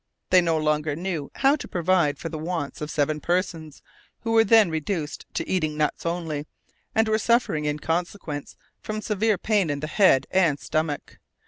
They no longer knew how to provide for the wants of seven persons, who were then reduced to eating nuts only, and were suffering in consequence from severe pain in the head and stomach.